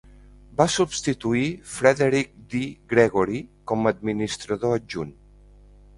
Va substituir Frederick D. Gregory com a administrador adjunt.